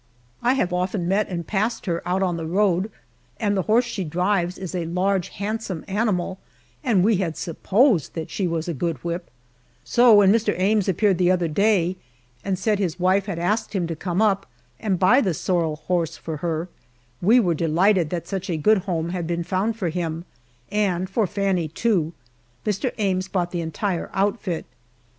I have often met and passed her out on the road, and the horse she drives is a large, handsome animal, and we had supposed that she was a good whip; so, when Mr. Ames appeared the other day and said his wife had asked him to come up and buy the sorrel horse for her we were delighted that such a good home had been found for him and for Fannie too. Mr. Ames bought the entire outfit.